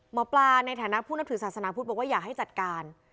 หมอปลาในฐานะผู้นับถือศาสนาพุทธบอกว่าอยากให้จัดการ